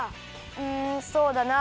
うんそうだな。